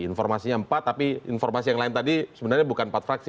informasinya empat tapi informasi yang lain tadi sebenarnya bukan empat fraksi